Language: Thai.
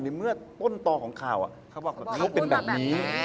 ในเมื่อต้นตอของข่าวอะเขาบอกว่ามดเป็นแบบนี้